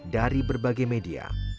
dari berbagai media